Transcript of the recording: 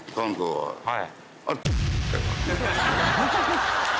はい。